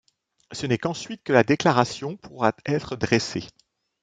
Ce n'est qu'ensuite que la déclaration pourra être dressée.